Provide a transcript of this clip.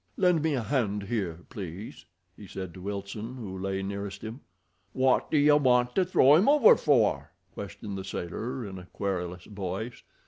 "Lend me a hand here, please," he said to Wilson, who lay nearest him. "Wot do you want to throw 'im over for?" questioned the sailor, in a querulous voice.